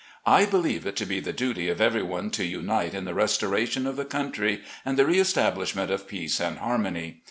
. I believe it to be the duty of every one to unite in the restoration of the country and the re establishment of peace and harmony.